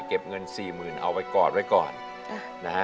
เก็บเงินสี่หมื่นเอาไว้กอดไว้ก่อนนะฮะ